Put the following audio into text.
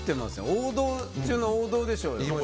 王道中の王道でしょうよ。